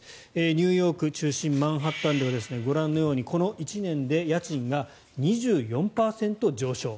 ニューヨーク中心マンハッタンではご覧のようにこの１年で家賃が２４％上昇。